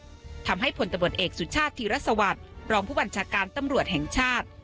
ทิ้งศพทำให้ผลตะบดเอกสุชาติธิระสวัสดิ์รองผู้บัญชาการตำลวดแห่งชาติ